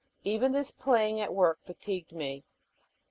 Even this playing at work fatigued me.